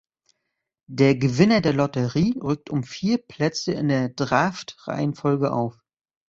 Der Gewinner der Lotterie rückt um vier Plätze in der Draftreihenfolge auf.